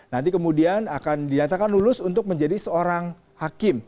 nanti kemudian akan dinyatakan lulus untuk menjadi seorang hakim